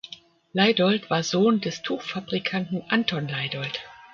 Leydolt war Sohn des Tuchfabrikanten Anton Leydolt.